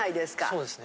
そうですね。